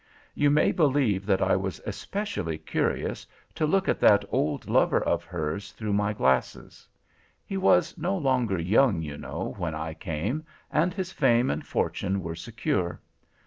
"You may believe that I was especially curious to look at that old lover of hers, through my glasses. He was no longer young, you know, when I came, and his fame and fortune were secure.